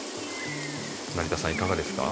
成田さんいかがですか？